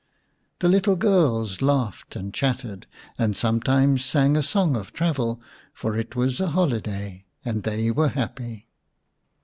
The little girls laughed and chattered, and sometimes sang a song of travel, for it was a holiday, and they were happy.